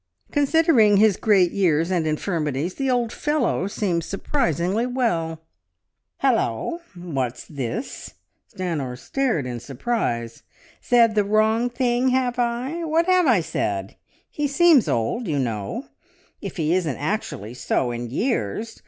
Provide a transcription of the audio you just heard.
"Considering his great years and infirmities, the old fellow seems surprisingly well." "Halloo, what's this?" Stanor stared in surprise. "Said the wrong thing, have I? What have I said? He seems old, you know, if he isn't actually so in years.